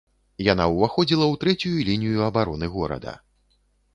Яна ўваходзіла ў трэцюю лінію абароны горада.